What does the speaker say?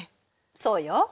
そうよ。